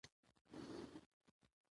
دا زموږ ژمنه ده.